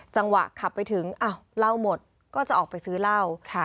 จังหวะขับไปถึงอ้าวเหล้าหมดก็จะออกไปซื้อเหล้า